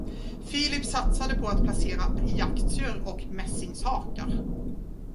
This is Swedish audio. Philip satsade på att placera i aktier och mässingshakar.